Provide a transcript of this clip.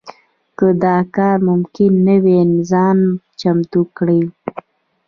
که دا کار ممکن نه وي ځان چمتو کړي.